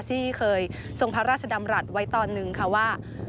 ที่เคยทรงพระราชดำรัฐไว้ตอนหนึ่งค่ะว่า